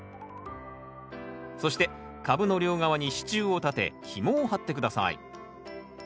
そして株の両側に支柱を立てひもを張って下さい。